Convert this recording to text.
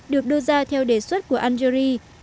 được đưa ra theo đề xuất của algeria